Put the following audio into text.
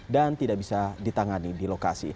dan tidak bisa ditangani di lokasi